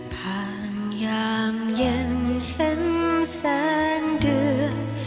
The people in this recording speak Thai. ผ่านยามเย็นเห็นแสงเดือน